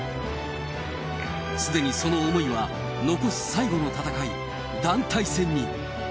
すでにその思いは、残す最後の戦い、団体戦に。